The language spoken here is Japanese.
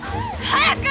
早く！